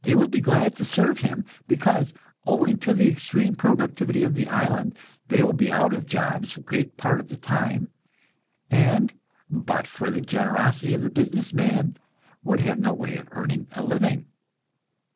They will be glad to serve him, because, owing to the extreme productivity of the island, they will be out of jobs a great part of the time, and but for the generosity of the business man, would have no way of earning a living.